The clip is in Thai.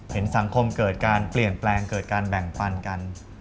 เห็นสังคมเกิดการเปลี่ยนแปลงเกิดการแบ่งปันกัน